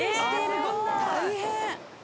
大変！